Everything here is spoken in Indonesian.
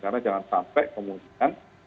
karena jangan sampai kemudian